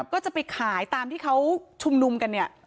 ก็จะไปขายตามที่เขาชุมนุมกันเนี่ย